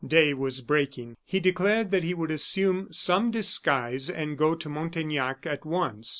Day was breaking; he declared that he would assume some disguise and go to Montaignac at once.